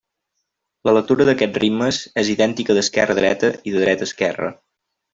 La lectura d'aquests ritmes és idèntica d'esquerra a dreta i de dreta a esquerra.